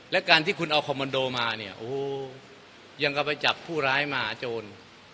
และการที่คุณเอาคอมมันโดมาเนี่ยโอ้โหยังก็ไปจับผู้ร้ายมาหาโจร